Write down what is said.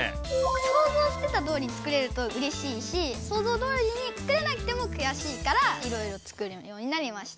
想像してたとおりに作れるとうれしいし想像どおりに作れなくてもくやしいからいろいろ作るようになりました。